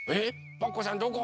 パクこさんどこ？